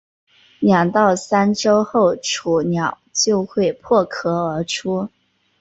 两到三周后雏鸟就会破壳而出。